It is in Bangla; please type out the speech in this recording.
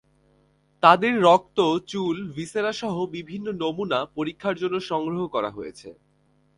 তাদের রক্ত, চুল, ভিসেরাসহ বিভিন্ন নমুনা পরীক্ষার জন্য সংগ্রহ করা হয়েছে।